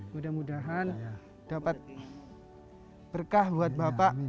mudah mudahan dapat berkah buat bapak